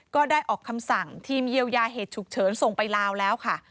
ก็ได้ออกคำสั่งทีมเยียวยาเหตุฉุกเฉินส่งไปลาวแล้วค่ะ